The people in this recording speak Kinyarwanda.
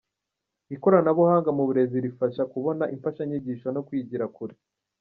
Ikoranabuhanga mu burezi rifasha kubona imfashanyigisho no kwigira kure